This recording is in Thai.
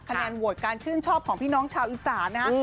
คะแนนโหวตการชื่นชอบของพี่น้องชาวอีสานนะฮะ